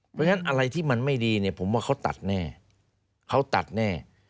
เพราะฉะนั้นอะไรที่มันไม่ดีเนี่ยผมว่าเขาตัดแน่เขาตัดแน่